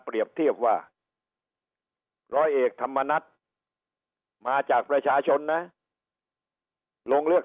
เทียบว่าร้อยเอกธรรมนัฐมาจากประชาชนนะลงเลือก